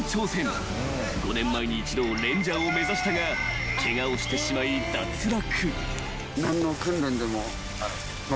［５年前に一度レンジャーを目指したがケガをしてしまい脱落］